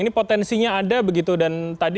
ini potensinya ada begitu dan tadi